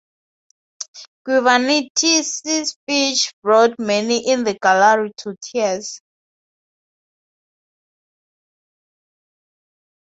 Giovannitti's speech brought many in the gallery to tears.